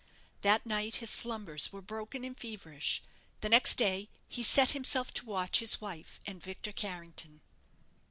That night his slumbers were broken and feverish. The next day he set himself to watch his wife and Victor Carrington.